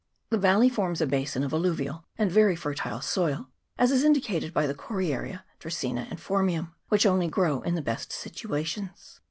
The valley forms a basin of alluvial and very fertile soil, as is indicated by the coriaria, draceena, and phormium, which only grow in the best situations.